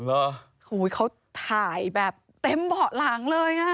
โอ้โหเขาถ่ายแบบเต็มเบาะหลังเลยอ่ะ